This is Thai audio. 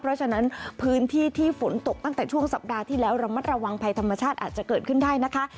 เพราะฉะนั้นพื้นที่ที่ฝนตกตั้งแต่ช่วงสัปดาห์ที่แล้วระมัดระวังภัยธรรมชาติอาจจะเกิดขึ้นได้นะคะ